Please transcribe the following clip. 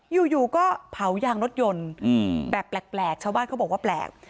อยู่ก็เผายางรถยนต์แบบแปลกชาวบ้านเขาบอกว่าแปลก